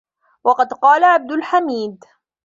وَقَدْ قَالَ عَبْدُ الْحَمِيدِ